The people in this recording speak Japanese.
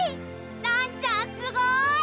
らんちゃんすごい！